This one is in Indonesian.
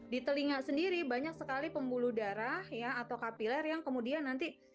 di telinga sendiri banyak sekali pembuluh darah atau kapiler yang kemudian nanti